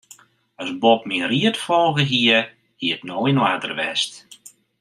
As Bob myn ried folge hie, hie it no yn oarder west.